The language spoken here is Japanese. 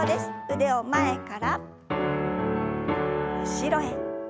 腕を前から後ろへ。